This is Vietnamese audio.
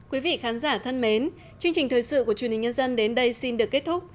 quý vị khán giả thân mến chương trình thời sự của truyền hình nhân dân đến đây xin được kết thúc